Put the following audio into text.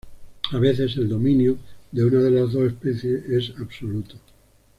A veces el dominio de una de las dos especies es absoluto.